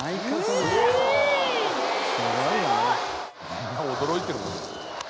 「みんな驚いてるもん」